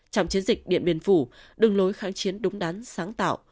trong chiến dịch điện biên phủ đường lối kháng chiến đúng đắn sáng tạo